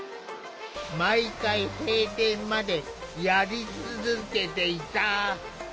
毎回閉店までやり続けていた。